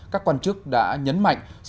các quan chức đã nhấn mạnh